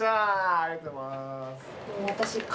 ありがとうございます。